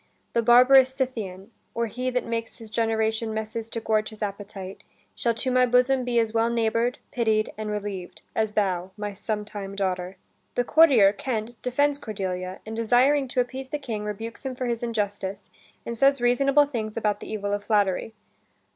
"The barbarous Scythian, Or he that makes his generation messes To gorge his appetite, shall to my bosom Be as well neighbour'd, pitied, and relieved. As thou, my sometime daughter." The courtier, Kent, defends Cordelia, and desiring to appease the King, rebukes him for his injustice, and says reasonable things about the evil of flattery.